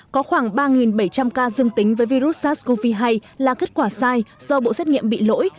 có khoảng ba bảy trăm linh ca dương tính với virus sars cov hai là kết quả sai do bộ xét nghiệm bị lỗi